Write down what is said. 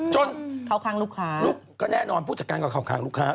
จนก็แน่นอนผู้จัดการก็เข้าค้างลูกค้า